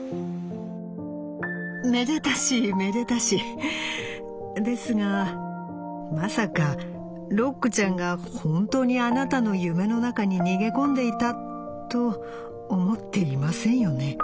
『めでたしめでたしですがまさかろっくちゃんが本当にあなたの夢の中に逃げ込んでいたと思っていませんよね？